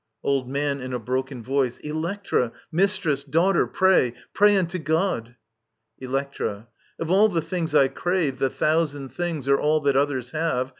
Old Man (in a broken voice). Electra, mistress, daughter, pray ! Pray unto God I Electra. Of all things I crave, The thousand things, or all that others have.